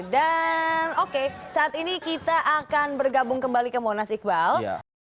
dan oke saat ini kita akan bergabung kembali ke monas iqbal